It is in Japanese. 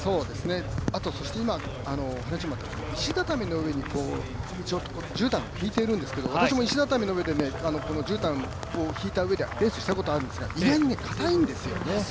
あと今、石畳の上にじゅうたんをひいているんですけど私も石畳の上でじゅうたんを敷いた上でレースしたことがあるんですけど意外にかたいんですよね。